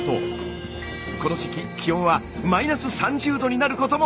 この時期気温は−３０℃になることも！